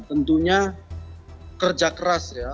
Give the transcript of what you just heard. tentunya kerja keras ya